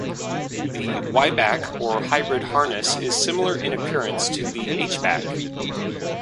The Y-back or hybrid harness is similar in appearance to the H-back.